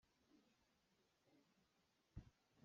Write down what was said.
Ni fate kan nunnak ah Pathian kan i bochan awk a si.